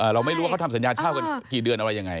เราไม่รู้ว่าเขาทำสัญญาเช่ากันกี่เดือนอะไรยังไง